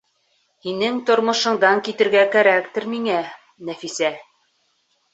— Һинең тормошоңдан китергә кәрәктер миңә, Нәфисә?